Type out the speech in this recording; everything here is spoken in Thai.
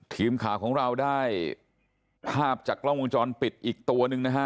ทีมข่าวของเราได้ภาพจากกล้องวงจรปิดอีกตัวหนึ่งนะฮะ